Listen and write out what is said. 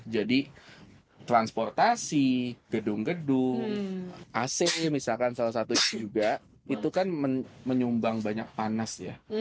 jadi transportasi gedung gedung ac misalkan salah satu itu juga itu kan menyumbang banyak panas ya